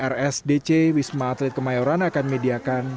rsdc wisma atlet kemayoran akan mediakan